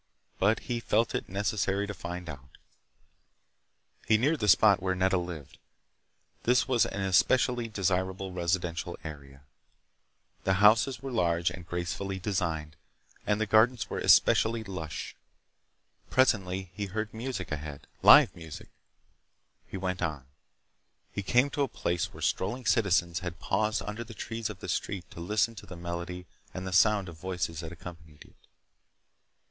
But he felt it necessary to find out. He neared the spot where Nedda lived. This was an especially desirable residential area. The houses were large and gracefully designed, and the gardens were especially lush. Presently he heard music ahead—live music. He went on. He came to a place where strolling citizens had paused under the trees of the street to listen to the melody and the sound of voices that accompanied it.